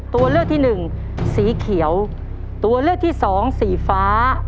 ตัวเลือกที่หนึ่งสีเขียวตัวเลือกที่สองสีฟ้า